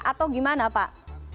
atau gimana pak